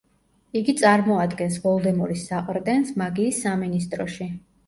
იგი წარმოადგენს ვოლდემორის საყრდენს მაგიის სამინისტროში.